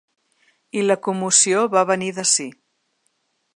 I la commoció va venir d’ací.